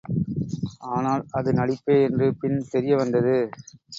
ஆனால், அது நடிப்பே என்று பின் தெரிய வந்தது.